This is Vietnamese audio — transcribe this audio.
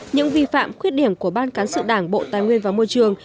những vi phạm khuyết điểm của ban cán sự đảng bộ tài nguyên và môi trường